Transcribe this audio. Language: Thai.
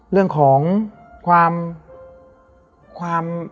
เรื่องของความ